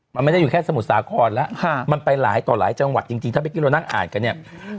มันไม่ได้อยู่แค่สมุทรสาครแล้วมันไปหลายต่อหลายจังหวัดจริงถ้าเมื่อกี้เรานั่งอ่านกันเนี่ย